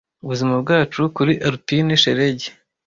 Ubuzima bwacu, kuri Alpine shelegi,